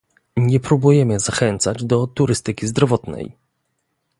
Nie próbujemy zachęcać do turystyki zdrowotnej